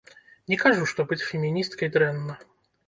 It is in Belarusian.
Не кажу, што быць феміністкай дрэнна.